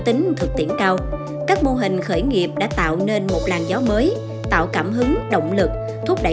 tính thực tiễn cao các mô hình khởi nghiệp đã tạo nên một làn gió mới tạo cảm hứng động lực thúc đẩy